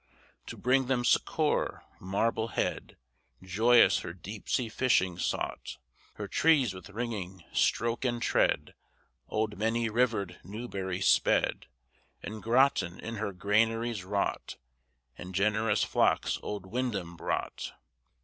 To bring them succor, Marblehead Joyous her deep sea fishing sought. Her trees, with ringing stroke and tread, Old many rivered Newbury sped, And Groton in her granaries wrought, And generous flocks old Windham brought.